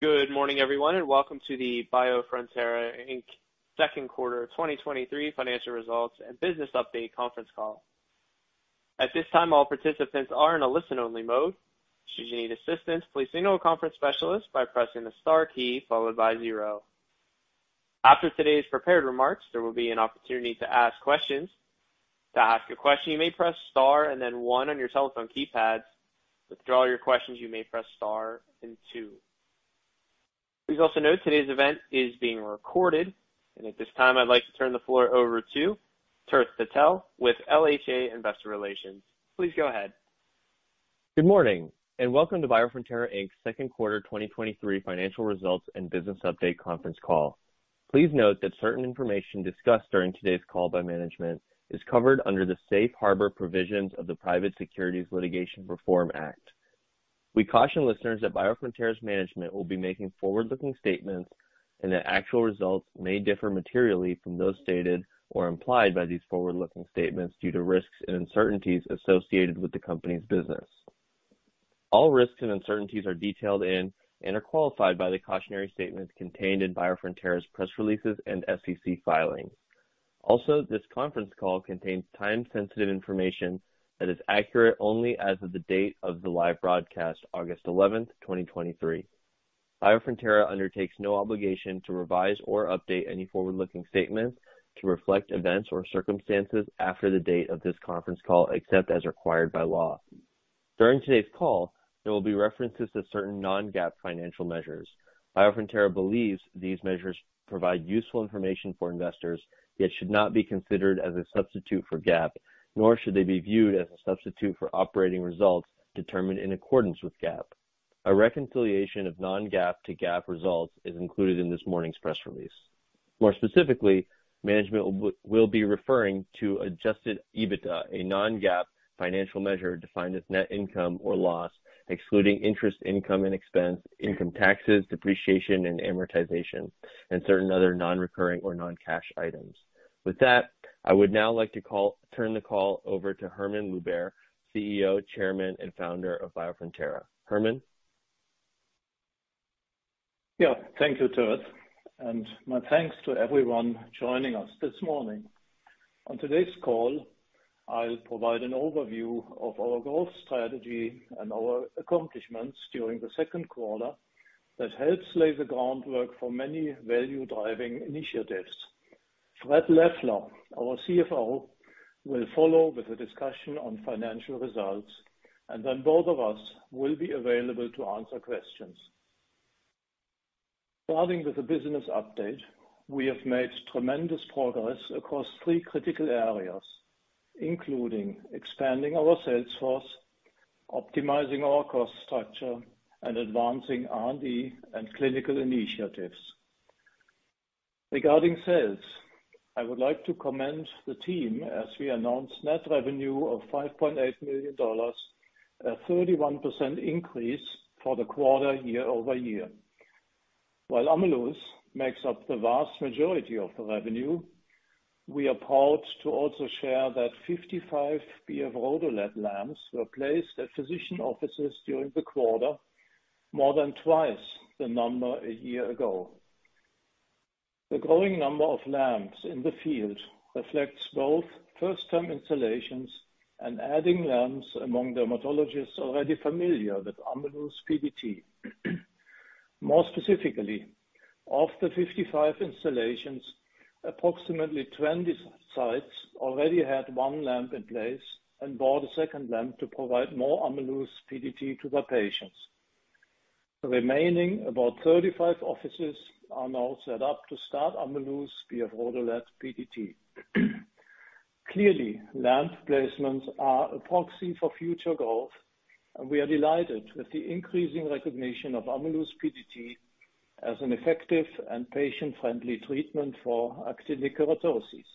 Good morning, everyone, and welcome to the Biofrontera Inc. second quarter 2023 financial results and business update conference call. At this time, all participants are in a listen-only mode. Should you need assistance, please signal a conference specialist by pressing the star key followed by zero. After today's prepared remarks, there will be an opportunity to ask questions. To ask your question, you may press star and then one on your telephone keypad. To withdraw your questions, you may press star and two. Please also note today's event is being recorded, and at this time, I'd like to turn the floor over to Tirth Patel with LHA Investor Relations. Please go ahead. Good morning, and welcome to Biofrontera Inc.'s second quarter 2023 financial results and business update conference call. Please note that certain information discussed during today's call by management is covered under the safe harbor provisions of the Private Securities Litigation Reform Act. We caution listeners that Biofrontera's management will be making forward-looking statements and that actual results may differ materially from those stated or implied by these forward-looking statements due to risks and uncertainties associated with the company's business. All risks and uncertainties are detailed in and are qualified by the cautionary statements contained in Biofrontera's press releases and SEC filings. This conference call contains time-sensitive information that is accurate only as of the date of the live broadcast, August 11, 2023. Biofrontera undertakes no obligation to revise or update any forward-looking statements to reflect events or circumstances after the date of this conference call, except as required by law. During today's call, there will be references to certain non-GAAP financial measures. Biofrontera believes these measures provide useful information for investors, yet should not be considered as a substitute for GAAP, nor should they be viewed as a substitute for operating results determined in accordance with GAAP. A reconciliation of non-GAAP to GAAP results is included in this morning's press release. More specifically, management will be referring to Adjusted EBITDA, a non-GAAP financial measure defined as net income or loss, excluding interest, income and expense, income taxes, depreciation and amortization, and certain other non-recurring or non-cash items. With that, I would now like to turn the call over to Hermann Luebbert, CEO, Chairman, and Founder of Biofrontera. Hermann? Yeah, thank you, Tirth, and my thanks to everyone joining us this morning. On today's call, I'll provide an overview of our growth strategy and our accomplishments during the second quarter that helps lay the groundwork for many value-driving initiatives. Fred Leffler, our CFO, will follow with a discussion on financial results, and then both of us will be available to answer questions. Starting with the business update, we have made tremendous progress across three critical areas, including expanding our sales force, optimizing our cost structure, and advancing R&D and clinical initiatives. Regarding sales, I would like to commend the team as we announce net revenue of $5.8 million, a 31% increase for the quarter year-over-year. While Ameluz makes up the vast majority of the revenue, we are proud to also share that 55 BF-RhodoLED lamps were placed at physician offices during the quarter, more than twice the number a year ago. The growing number of lamps in the field reflects both first-time installations and adding lamps among dermatologists already familiar with Ameluz PDT. More specifically, of the 55 installations, approximately 20 sites already had one lamp in place and bought a second lamp to provide more Ameluz PDT to the patients. The remaining, about 35 offices, are now set up to start Ameluz via RhodoLED PDT. Clearly, lamp placements are a proxy for future growth, and we are delighted with the increasing recognition of Ameluz PDT as an effective and patient-friendly treatment for actinic keratosis.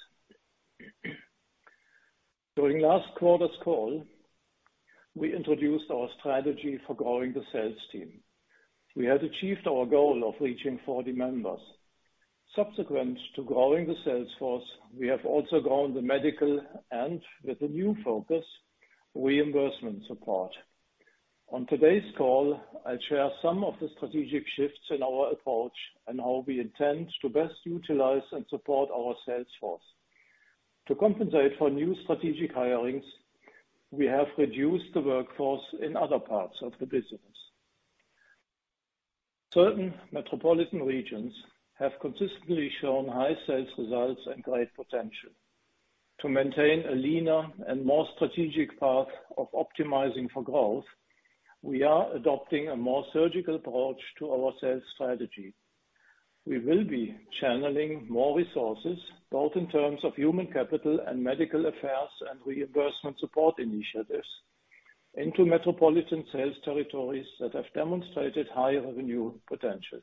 During last quarter's call, we introduced our strategy for growing the sales team. We had achieved our goal of reaching 40 members. Subsequent to growing the sales force, we have also grown the medical and, with a new focus, reimbursement support. On today's call, I'll share some of the strategic shifts in our approach and how we intend to best utilize and support our sales force. To compensate for new strategic hirings, we have reduced the workforce in other parts of the business. Certain metropolitan regions have consistently shown high sales results and great potential. To maintain a leaner and more strategic path of optimizing for growth, we are adopting a more surgical approach to our sales strategy. We will be channeling more resources, both in terms of human capital and medical affairs and reimbursement support initiatives, into metropolitan sales territories that have demonstrated higher revenue potential.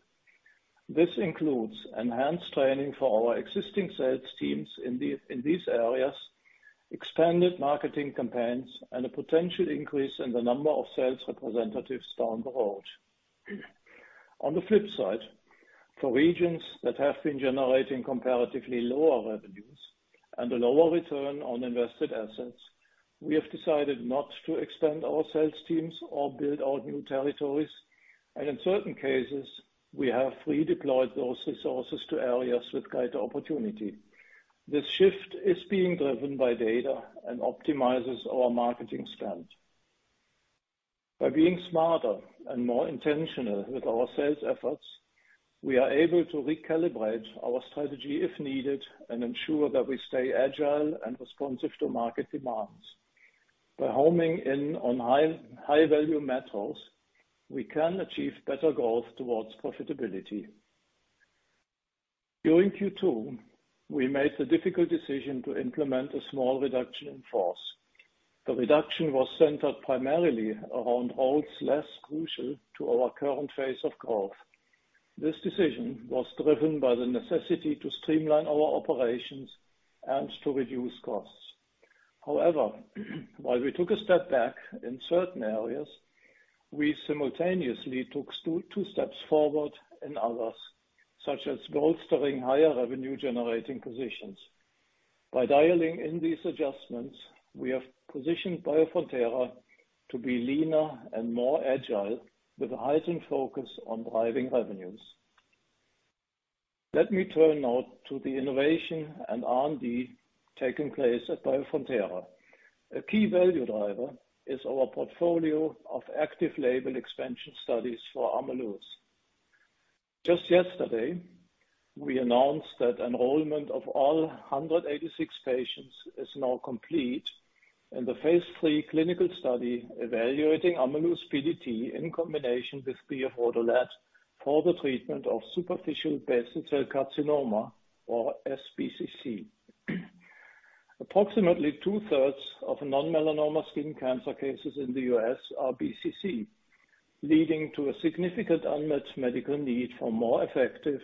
This includes enhanced training for our existing sales teams in these, in these areas, expanded marketing campaigns, and a potential increase in the number of sales representatives down the road. On the flip side, for regions that have been generating comparatively lower revenues and a lower return on invested assets, we have decided not to extend our sales teams or build out new territories, and in certain cases, we have redeployed those resources to areas with greater opportunity. This shift is being driven by data and optimizes our marketing spend. By being smarter and more intentional with our sales efforts, we are able to recalibrate our strategy if needed, and ensure that we stay agile and responsive to market demands. By homing in on high, high-value methods, we can achieve better growth towards profitability. During Q2, we made the difficult decision to implement a small reduction in force. The reduction was centered primarily around roles less crucial to our current phase of growth. This decision was driven by the necessity to streamline our operations and to reduce costs. However, while we took a step back in certain areas, we simultaneously took two steps forward in others, such as bolstering higher revenue-generating positions. By dialing in these adjustments, we have positioned Biofrontera to be leaner and more agile, with a rising focus on driving revenues. Let me turn now to the innovation and R&D taking place at Biofrontera. A key value driver is our portfolio of active label expansion studies for Ameluz. Just yesterday, we announced that enrollment of all 186 patients is now complete, and the phase III clinical study evaluating Ameluz PDT in combination with BF-RhodoLED for the treatment of superficial basal cell carcinoma or sBCC. Approximately two-thirds of non-melanoma skin cancer cases in the U.S. are BCC, leading to a significant unmet medical need for more effective,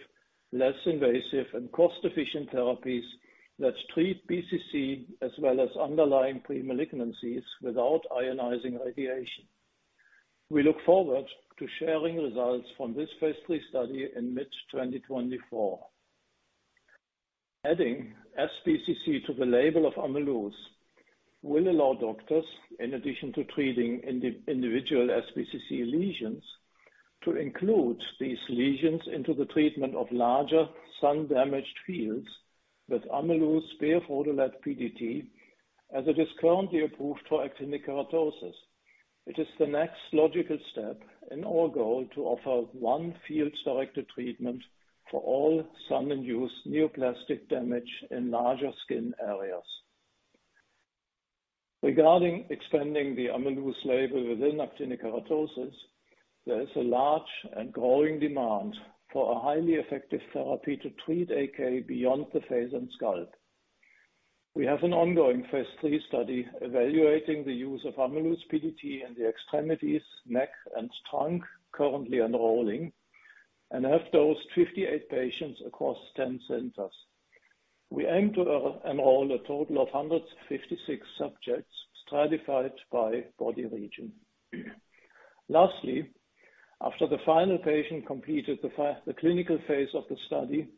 less invasive, and cost-efficient therapies that treat BCC as well as underlying pre-malignancies without ionizing radiation. We look forward to sharing results from this phase III study in mid-2024. Adding sBCC to the label of Ameluz will allow doctors, in addition to treating individual sBCC lesions, to include these lesions in the treatment of larger sun-damaged fields with Ameluz BF-RhodoLED PDT, as it is currently approved for actinic keratosis. It is the next logical step in our goal to offer one field-selected treatment for all sun-induced neoplastic damage in larger skin areas. Regarding expanding the Ameluz label within actinic keratosis, there is a large and growing demand for a highly effective therapy to treat AK beyond the face and scalp. We have an ongoing phase III study evaluating the use of Ameluz PDT in the extremities, neck, and trunk, currently enrolling, and have dosed 58 patients across 10 centers. We aim to enroll a total of 156 subjects, stratified by body region. Lastly, after the final patient completed the clinical phase of the study,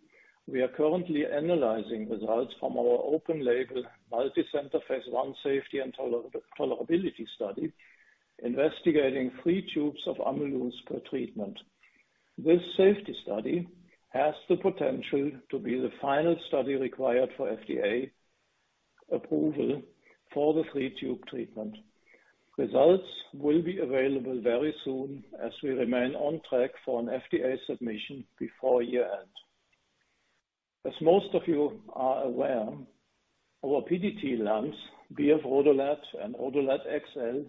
we are currently analyzing results from our open-label, multicenter, phase I safety and tolerability study, investigating three tubes of Ameluz per treatment. This safety study has the potential to be the final study required for FDA approval for the three-tube treatment. Results will be available very soon, as we remain on track for an FDA submission before year-end. As most of you are aware, our PDT lamps, BF-RhodoLED and RhodoLED XL,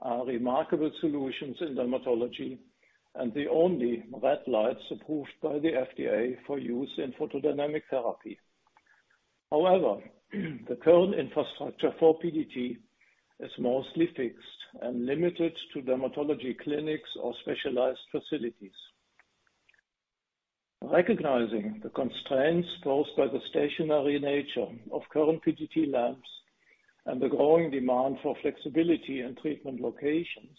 are remarkable solutions in dermatology, and the only red lights approved by the FDA for use in photodynamic therapy. However, the current infrastructure for PDT is mostly fixed and limited to dermatology clinics or specialized facilities. Recognizing the constraints posed by the stationary nature of current PDT lamps and the growing demand for flexibility in treatment locations,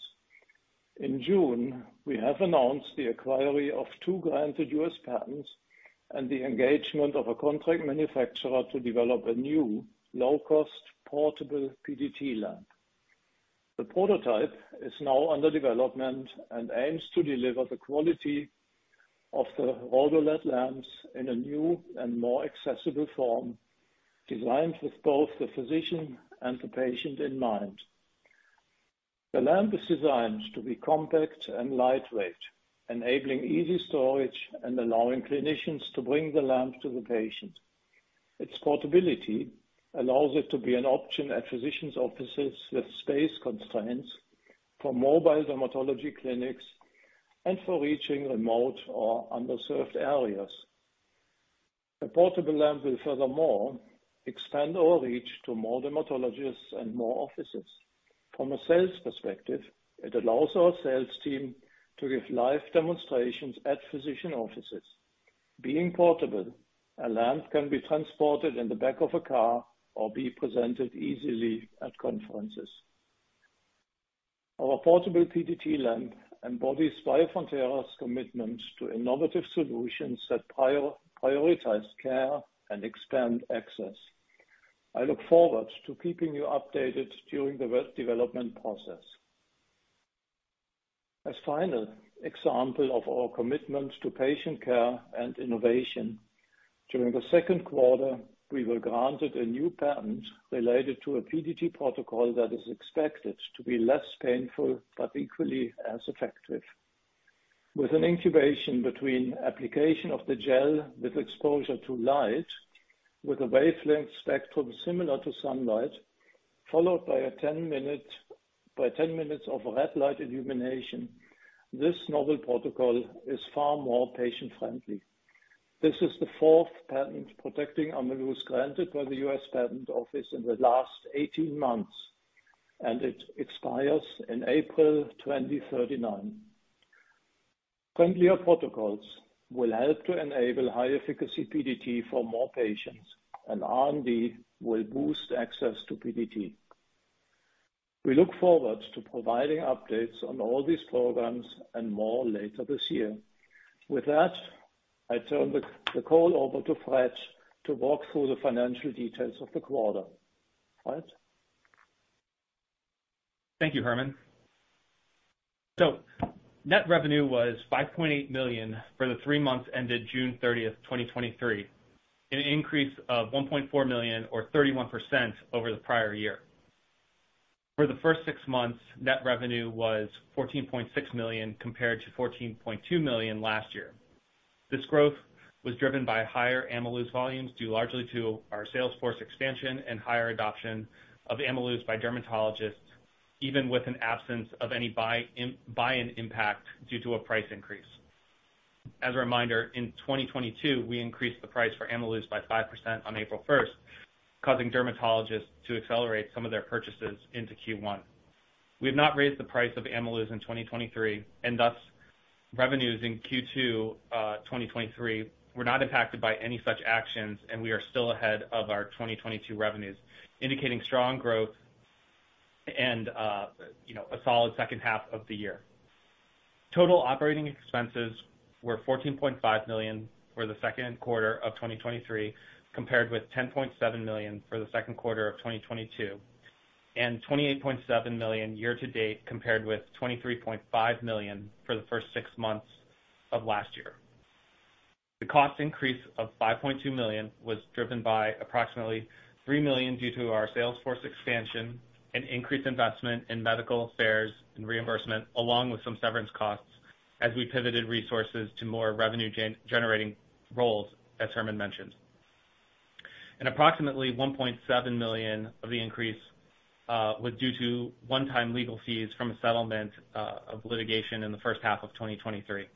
in June, we announced the acquisition of two granted U.S. patents and the engagement of a contract manufacturer to develop a new, low-cost, portable PDT lamp. The prototype is now under development and aims to deliver the quality of the RhodoLED lamps in a new and more accessible form, designed with both the physician and the patient in mind. The lamp is designed to be compact and lightweight, enabling easy storage and allowing clinicians to bring the lamp to the patient. Its portability allows it to be an option at physicians' offices with space constraints, for mobile dermatology clinics, and for reaching remote or underserved areas. The portable lamp will furthermore extend our reach to more dermatologists and more offices. From a sales perspective, it allows our sales team to give live demonstrations at physicians' offices. Being portable, a lamp can be transported in the back of a car or be presented easily at conferences. Our portable PDT lamp embodies Biofrontera's commitment to innovative solutions that prioritize care and expand access. I look forward to keeping you updated during the development process. As final example of our commitment to patient care and innovation, during the second quarter, we were granted a new patent related to a PDT protocol that is expected to be less painful, but equally as effective. With an incubation between application of the gel with exposure to light, with a wavelength spectrum similar to sunlight, followed by a 10-minute, by 10 minutes of red light illumination, this novel protocol is far more patient-friendly. This is the fourth patent protecting Ameluz, granted by the U.S. Patent Office in the last 18 months, and it expires in April 2039. Friendlier protocols will help to enable high-efficacy PDT for more patients, and R&D will boost access to PDT. We look forward to providing updates on all these programs and more later this year. With that, I turn the call over to Fred to walk through the financial details of the quarter. Fred? Thank you, Hermann. Net revenue was $5.8 million for the three months ended June 30th, 2023, an increase of $1.4 million, or 31%, over the prior year. For the first six months, net revenue was $14.6 million, compared to $14.2 million last year. This growth was driven by higher Ameluz volumes, due largely to our sales force expansion and higher adoption of Ameluz by dermatologists, even with an absence of any buy-in impact due to a price increase. As a reminder, in 2022, we increased the price for Ameluz by 5% on April 1st, causing dermatologists to accelerate some of their purchases into Q1. We have not raised the price of Ameluz in 2023; thus, revenues in Q2 2023 were not impacted by any such actions, we are still ahead of our 2022 revenues, indicating strong growth and, you know, a solid second half of the year. Total operating expenses were $14.5 million for the second quarter of 2023, compared with $10.7 million for the second quarter of 2022, $28.7 million year to date, compared with $23.5 million for the first six months of last year. The cost increase of $5.2 million was driven by approximately $3 million due to our sales force expansion and increased investment in medical affairs and reimbursement, along with some severance costs as we pivoted resources to more revenue-generating roles, as Hermann mentioned. Approximately $1.7 million of the increase was due to one-time legal fees from a settlement of litigation in the first half of 2023.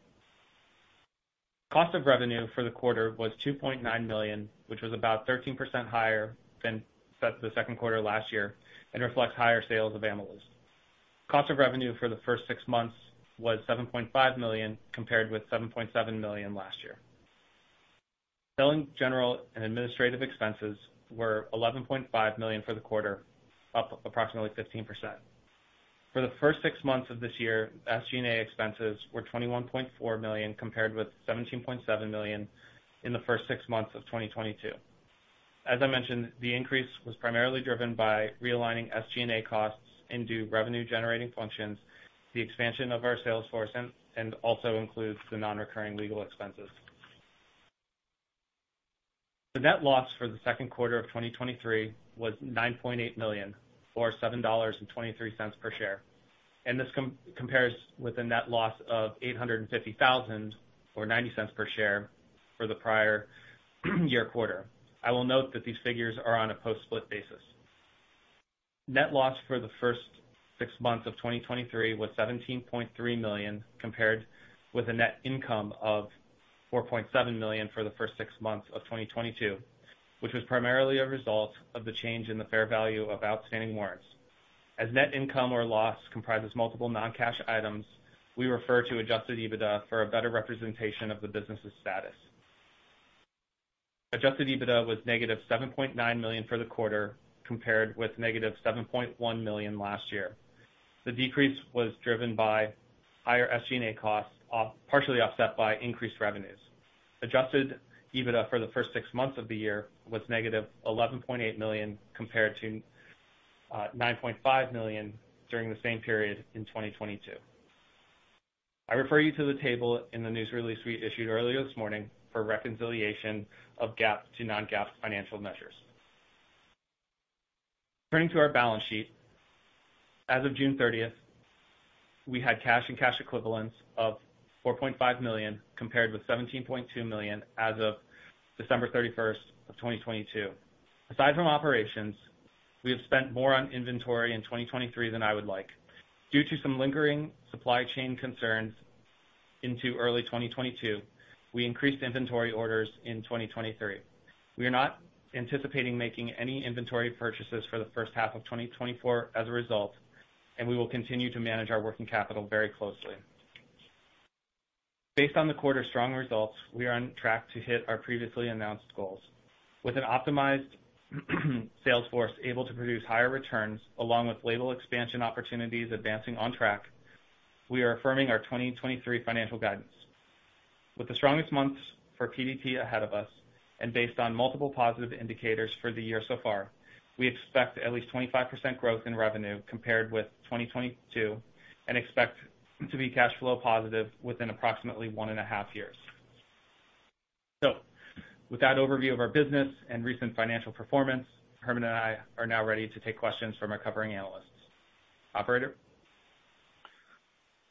Cost of revenue for the quarter was $2.9 million, which was about 13% higher than the second quarter last year, and reflects higher sales of Ameluz. Cost of revenue for the first six months was $7.5 million, compared with $7.7 million last year. Selling, general, and administrative expenses were $11.5 million for the quarter, up approximately 15%. For the first six months of this year, SG&A expenses were $21.4 million, compared with $17.7 million in the first six months of 2022. As I mentioned, the increase was primarily driven by realigning SG&A costs into revenue-generating functions, the expansion of our sales force, and also includes the non-recurring legal expenses. The net loss for the 2Q of 2023 was $9.8 million, or $7.23 per share, and this compares with a net loss of $850,000, or $0.90 per share, for the prior year quarter. I will note that these figures are on a post-split basis. Net loss for the first 6 months of 2023 was $17.3 million, compared with a net income of $4.7 million for the first 6 months of 2022, which was primarily a result of the change in the fair value of outstanding warrants. As net income or loss comprises multiple non-cash items, we refer to Adjusted EBITDA for a better representation of the business's status. Adjusted EBITDA was -$7.9 million for the quarter, compared with -$7.1 million last year. The decrease was driven by higher SG&A costs, partially offset by increased revenues. Adjusted EBITDA for the first six months of the year was -$11.8 million, compared to $9.5 million during the same period in 2022. I refer you to the table in the news release we issued earlier this morning for reconciliation of GAAP to non-GAAP financial measures. Turning to our balance sheet, as of June thirtieth, we had cash and cash equivalents of $4.5 million, compared with $17.2 million as of December thirty-first of 2022. Aside from operations, we have spent more on inventory in 2023 than I would like. Due to some lingering supply chain concerns into early 2022, we increased inventory orders in 2023. We are not anticipating making any inventory purchases for the first half of 2024 as a result, and we will continue to manage our working capital very closely. Based on the quarter's strong results, we are on track to hit our previously announced goals. With an optimized sales force able to produce higher returns, along with label expansion opportunities advancing on track, we are affirming our 2023 financial guidance. With the strongest months for PDT ahead of us, and based on multiple positive indicators for the year so far, we expect at least 25% growth in revenue compared with 2022, and expect to be cash flow positive within approximately one and a half years. With that overview of our business and recent financial performance, Hermann and I are now ready to take questions from our covering analysts. Operator?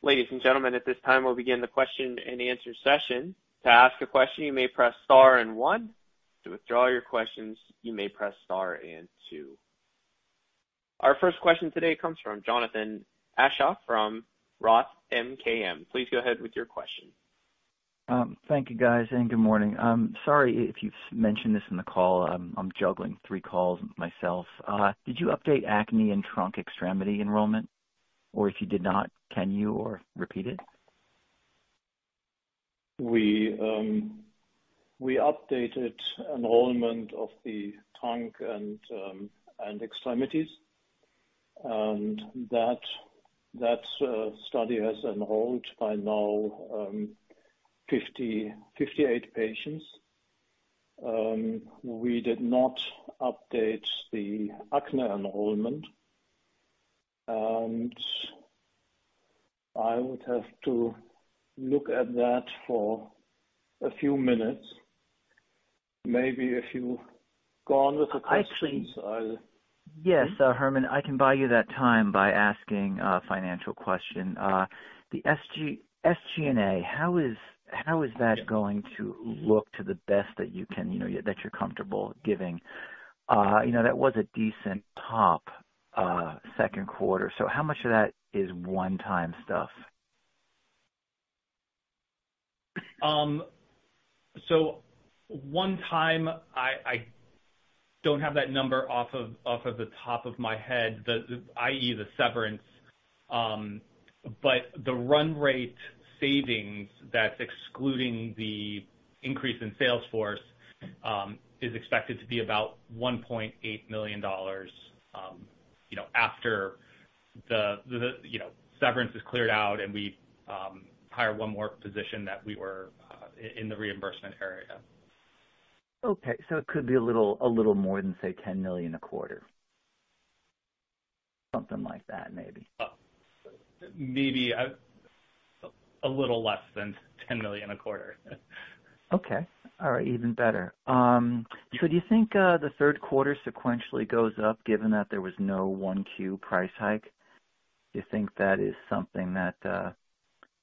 Ladies and gentlemen, at this time, we'll begin the question and answer session. To ask a question, you may press star and one. To withdraw your questions, you may press star and two. Our first question today comes from Jonathan Aschoff from Roth MKM. Please go ahead with your question. Thank you, guys, and good morning. Sorry if you've mentioned this in the call. I'm juggling three calls myself. Did you update acne and trunk extremity enrollment? Or if you did not, can you or repeat it? We, we updated enrollment of the trunk and, and extremities, and that, that, study has enrolled by now, 58 patients. We did not update the acne enrollment, and I would have to look at that for a few minutes. Maybe if you go on with the questions, I'll- Yes, Hermann, I can buy you that time by asking a financial question. The SG&A, how is, how is that going to look to the best that you can, you know, that you're comfortable giving? you know, that was a decent top, second quarter. How much of that is one-time stuff? One time, I, I don't have that number off of, off of the top of my head, the, i.e., the severance. The run rate savings, that's excluding the increase in sales force, is expected to be about $1.8 million, you know, after the, the, you know, severance is cleared out and we hire one more position that we were in the reimbursement area. Okay. It could be a little, a little more than, say, $10 million a quarter. Something like that, maybe. Maybe a little less than $10 million a quarter. Okay. All right. Even better. Do you think the third quarter sequentially goes up, given that there was no 1Q price hike? Do you think that is something that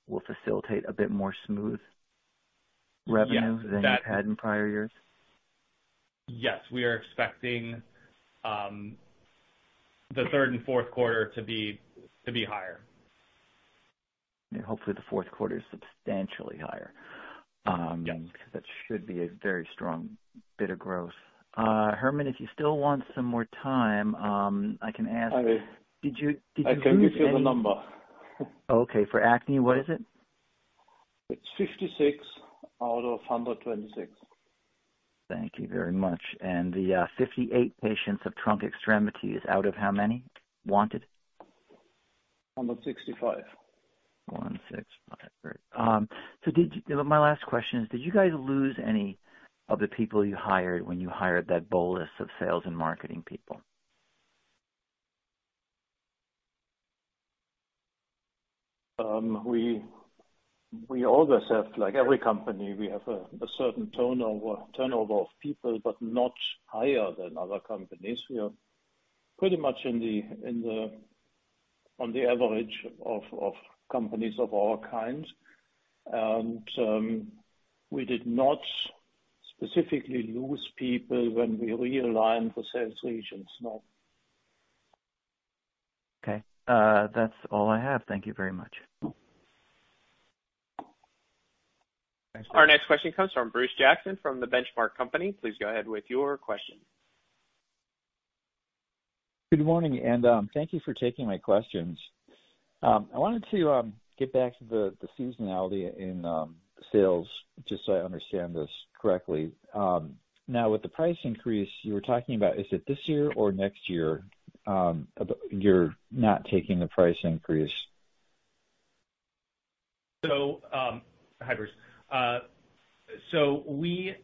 will facilitate a bit more smooth revenue-? Yeah. than you've had in prior years? Yes, we are expecting the third and fourth quarter to be, to be higher. Hopefully the fourth quarter is substantially higher. Yes. That should be a very strong bit of growth. Hermann, if you still want some more time, I can ask. I will. Did you, did you lose any-? I can give you the number. Okay. For acne, what is it? It's 56 out of 126. Thank you very much. The 58 patients of trunk extremities out of how many wanted? 165. 165. Great. My last question is, did you guys lose any of the people you hired when you hired that bolus of sales and marketing people? We, we always have, like every company, we have a certain turnover, turnover of people, but not higher than other companies. We are pretty much on the average of companies of our kind, and we did not specifically lose people when we realigned the sales regions. No. Okay. That's all I have. Thank you very much. Thanks. Our next question comes from Bruce Jackson, from The Benchmark Company. Please go ahead with your question. Good morning, thank you for taking my questions. I wanted to get back to the seasonality in sales, just so I understand this correctly. Now, with the price increase you were talking about, is it this year or next year that you're not taking the price increase? Hi, Bruce. We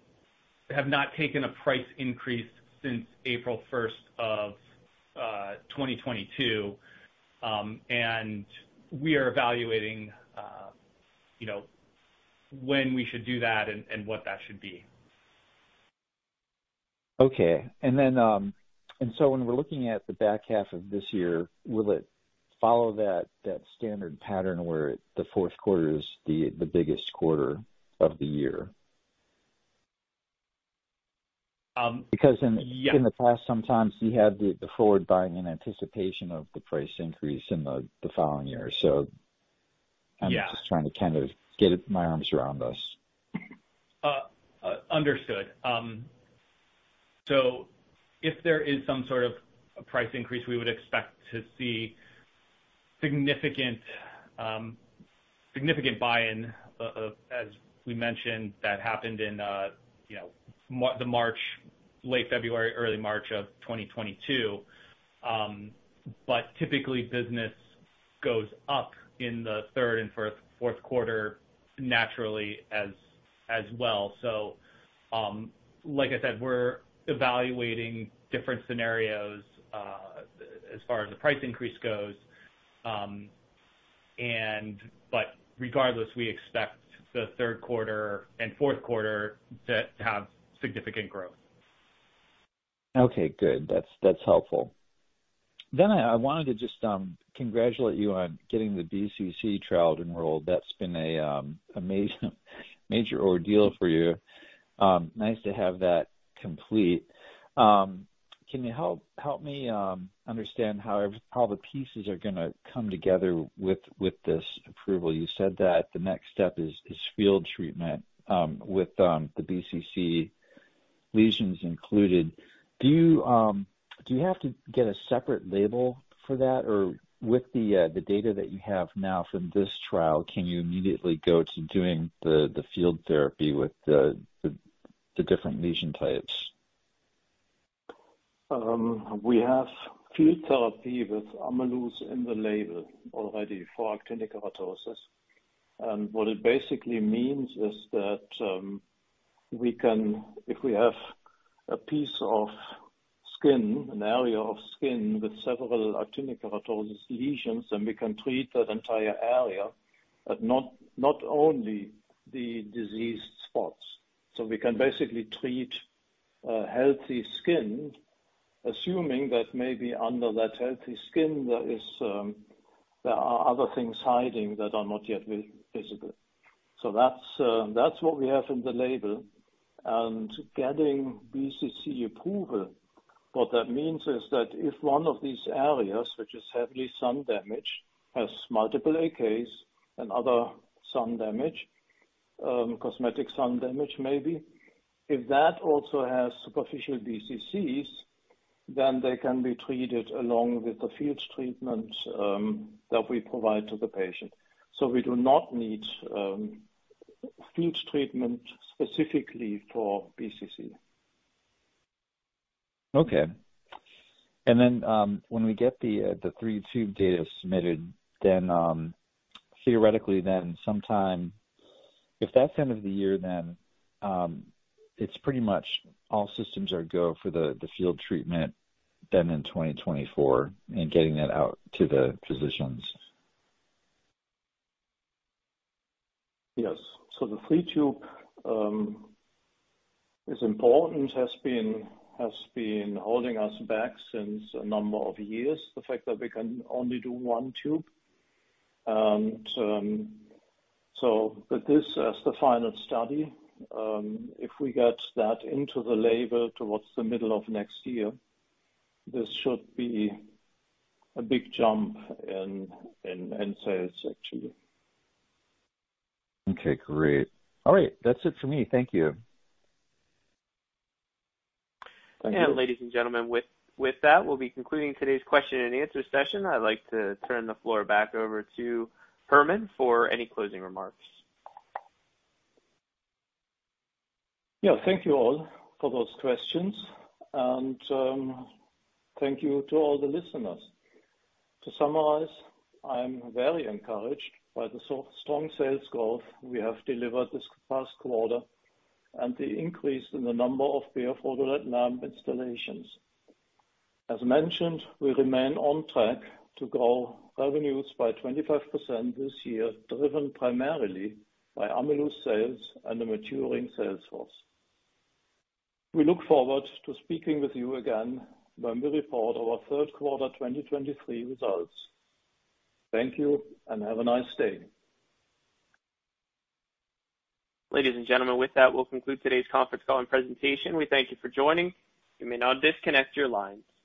have not taken a price increase since April 1st of, 2022. We are evaluating, you know, when we should do that and what that should be. Okay. When we're looking at the back half of this year, will it follow that, that standard pattern where the fourth quarter is the, the biggest quarter of the year? Because. Yeah... in the past, sometimes you had the forward buying in anticipation of the price increase in the following year. Yeah. I'm just trying to kind of get my arms around this. Understood. If there is some sort of a price increase, we would expect to see significant, significant buy-in of, as we mentioned, that happened in the March, late February, early March of 2022. Typically business goes up in the third and fourth quarter naturally as well. Like I said, we're evaluating different scenarios as far as the price increase goes. Regardless, we expect the third quarter and fourth quarter to have significant growth. Okay, good. That's, that's helpful. I, I wanted to just congratulate you on getting the BCC trial enrolled. That's been a major, major ordeal for you. Nice to have that complete. Can you help, help me understand how the pieces are gonna come together with this approval? You said that the next step is, is field treatment with the BCC lesions included. Do you have to get a separate label for that? Or with the data that you have now from this trial, can you immediately go to doing the field therapy with the different lesion types? We have field therapy with Ameluz in the label already for the actinic keratosis. What it basically means is that we can, if we have a piece of skin, an area of skin with several actinic keratosis lesions, then we can treat that entire area, but not, not only the diseased spots. We can basically treat healthy skin, assuming that maybe under that healthy skin, there are other things hiding that are not yet visible. That's, that's what we have in the label. Getting BCC approval, what that means is that if one of these areas, which is heavily sun-damaged, has multiple AKs and other sun damage, cosmetic sun-damage, maybe, if that also has superficial BCCs, then they can be treated along with the field treatment that we provide to the patient. We do not need field treatment specifically for BCC. Okay. Then, when we get the three tube data submitted, then, theoretically then, sometime, if that's end of the year, then, it's pretty much all systems are go for the, the field treatment in 2024 and getting that out to the physicians. Yes. The 3 tube is important, has been, has been holding us back since a number of years, the fact that we can only do 1 tube. With this as the final study, if we get that into the label towards the middle of next year, this should be a big jump in, in, in sales, actually. Okay, great. All right. That's it for me. Thank you. Ladies and gentlemen, with that, we'll be concluding today's question-and-answer session. I'd like to turn the floor back over to Hermann for any closing remarks. Yeah, thank you all for those questions. Thank you to all the listeners. To summarize, I am very encouraged by the so- strong sales growth we have delivered this past quarter and the increase in the number of BF-RhodoLED lamp installations. As mentioned, we remain on track to grow revenues by 25% this year, driven primarily by Ameluz sales and the maturing sales force. We look forward to speaking with you again when we report our third quarter 2023 results. Thank you, and have a nice day. Ladies and gentlemen, with that, we'll conclude today's conference call and presentation. We thank you for joining. You may now disconnect your lines.